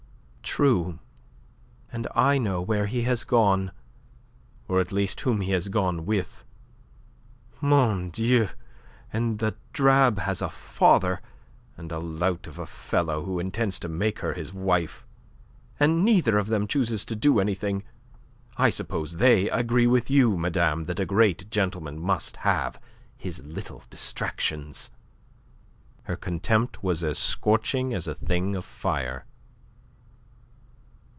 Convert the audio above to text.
"True. And I know where he has gone or at least whom he has gone with. Mon Dieu, and the drab has a father and a lout of a fellow who intends to make her his wife, and neither of them chooses to do anything. I suppose they agree with you, madame, that a great gentleman must have his little distractions." Her contempt was as scorching as a thing of fire.